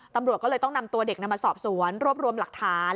ตำรวจก็เลยต้องนำตัวเด็กนำมาสอบสวนรวบรวมหลักฐาน